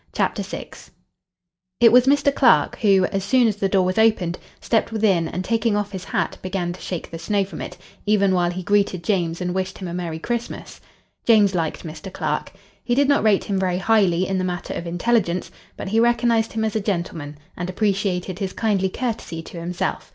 CHAPTER VI It was Mr. Clark, who as soon as the door was opened stepped within and taking off his hat began to shake the snow from it, even while he greeted James and wished him a merry Christmas. James liked Mr. Clark. He did not rate him very highly in the matter of intelligence; but he recognized him as a gentleman, and appreciated his kindly courtesy to himself.